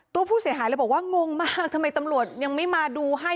ตัวผู้เสียหายเลยบอกว่างงมากทำไมตำรวจยังไม่มาดูให้